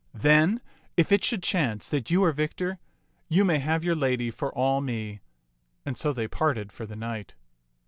Then if it should chance that you are victor, you may have your lady for all me "; and so they parted for the night.